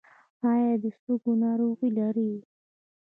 ایا د سږو ناروغي لرئ؟